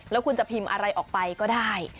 แล้วคุณจะพิมพ์อะไรออกไปก็ได้